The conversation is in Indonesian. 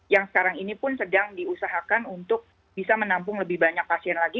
yang sekarang ini pun sedang diusahakan untuk bisa menampung lebih banyak pasien lagi